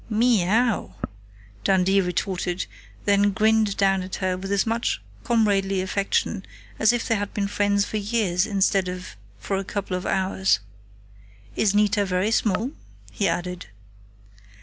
"Meow!" Dundee retorted, then grinned down at her with as much comradely affection as if they had been friends for years instead of for a couple of hours. "Is Nita very small?" he added.